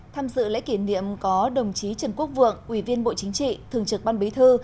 tham dự lễ kỷ niệm có đồng chí trần quốc vượng ủy viên bộ chính trị thường trực ban bí thư